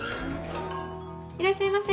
いらっしゃいませ。